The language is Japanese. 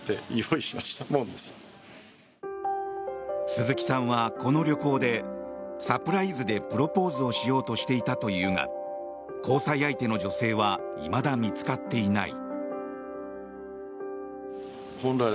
鈴木さんはこの旅行でサプライズでプロポーズをしようとしていたというが交際相手の女性はいまだ見つかっていない。